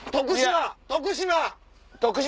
徳島！